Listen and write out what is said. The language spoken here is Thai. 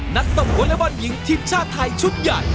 นัดต้มวัลละบอลหญิงทีมชาติไทยชุดใหญ่